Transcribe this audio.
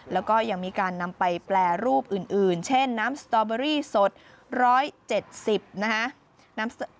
แล้วก็ยังมีการนำไปแปรรูปอื่นเช่นน้ำสตอเบอรี่สด๑๗๐นะฮะ